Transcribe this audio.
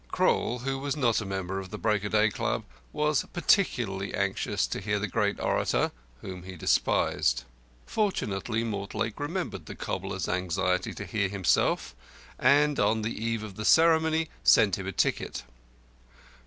Crowl, who was not a member of the Break o' Day Club, was particularly anxious to hear the great orator whom he despised; fortunately Mortlake remembered the cobbler's anxiety to hear himself, and on the eve of the ceremony sent him a ticket.